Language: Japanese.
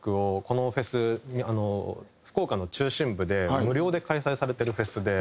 このフェス福岡の中心部で無料で開催されてるフェスで。